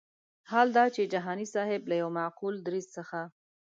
حال دا چې جهاني صاحب له یو معقول دریځ څخه.